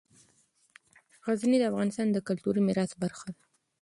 غزني د افغانستان د کلتوري میراث برخه ده.